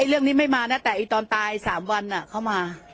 เรื่องนี้ไม่มานะแต่ตอนตาย๓วันเข้ามา